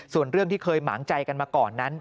ส่วนเรื่องที่เคยหมางใจกันมาก่อนนั้น